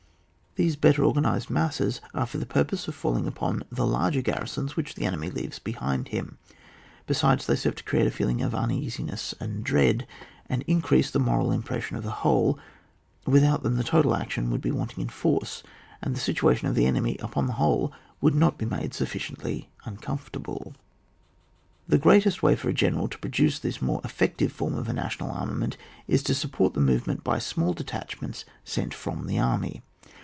These better organised masses, are for the purpose of falling upon the larger garrisons which the enemy leaves behind him. Besides, they serve to create a feeling of uneasiness and dread, and increase the moral im pression of the whole, without them the total action would be wanting in force, and the situation of the enemy upon the whole would not be made sufliciently un comfortable. The easiest way for a general to pro duce this more effective form of a national armament, is to support the movement by small detachments sent from the army.